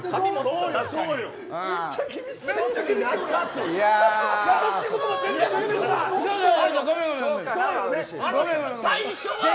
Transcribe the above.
めっちゃ厳しい。